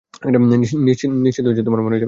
নিশ্চিত মরে যাবে।